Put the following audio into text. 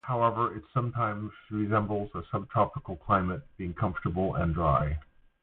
However, it sometimes resembles a subtropical climate, being comfortable and dry.